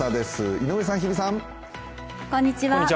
井上さん、日比さん。